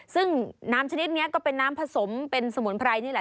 ซึ่งน้ำชนิดนี้ก็เป็นน้ำผสมเป็นสมุนไพรนี่แหละ